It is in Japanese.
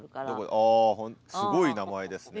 あすごい名前ですね。